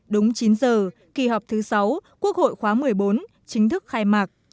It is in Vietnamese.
đúng chín giờ kỳ họp thứ sáu quốc hội khóa một mươi bốn chính thức khai mạc